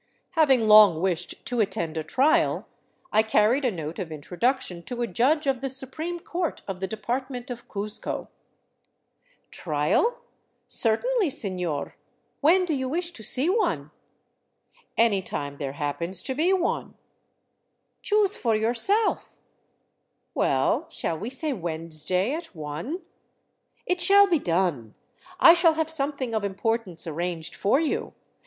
Having long wished to attend a trial, I carried a note of introduction to a judge of the supreme court of the department of Cuzco. " Trial ? Certainly, senor. When do you wish to see one ?"" Any time there happens to be one." " Choose for yourself." " Well, shall we say Wednesday, at one ?"" It shall be done. I shall have something of importance arranged for you.